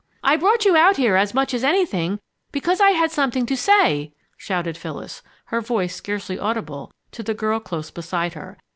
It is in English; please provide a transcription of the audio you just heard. "I brought you out here, as much as anything, because I had something to say," shouted Phyllis, her voice scarcely audible to the girl close beside her.